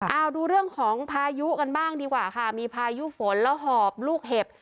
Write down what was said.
เอาดูเรื่องของพายุกันบ้างดีกว่าค่ะมีพายุฝนแล้วหอบลูกเห็บ